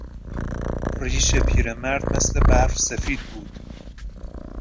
ریش پیرمرد مثل برف سفید بود.